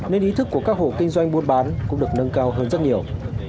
nên ý thức của các hộ kinh doanh buôn bán cũng được nâng cao hơn rất nhiều